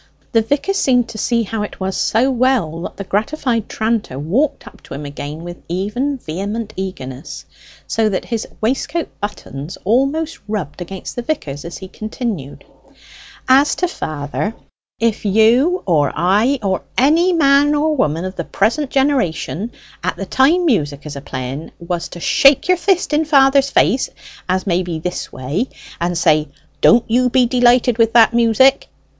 The vicar seemed to see how it was so well that the gratified tranter walked up to him again with even vehement eagerness, so that his waistcoat buttons almost rubbed against the vicar's as he continued: "As to father, if you or I, or any man or woman of the present generation, at the time music is a playing, was to shake your fist in father's face, as may be this way, and say, 'Don't you be delighted with that music!'"